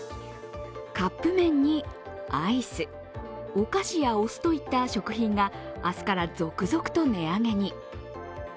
カップ麺にアイス、お菓子やお酢といった食品が明日から続々と値上げに。